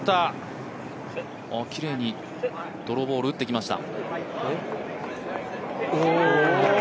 きれいにドローボール打ってきました。